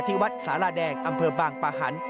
วัดสาราแดงอำเภอบางปะหัน